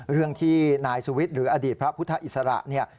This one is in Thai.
เรื่องที่นายสุวิทย์หรืออดีตพระพุทธอิสระเนี่ย